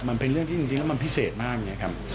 มันเป็นเรื่องที่จริงแล้วมันพิเศษมากอย่างนี้ครับ